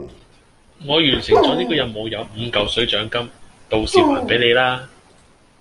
我完成咗呢個任務有五嚿水獎金，到時還俾你啦